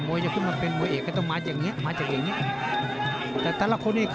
มวยจะขึ้นมาเป็นมวยเอกก็ต้องมาจากแบบนี้